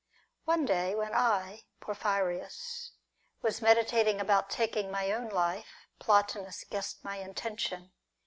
"One day when I, Porphyrius, was meditating about taking my own life, Plotinus guessed my intention.